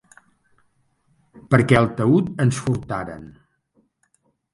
Perquè el taüt ens furtaren.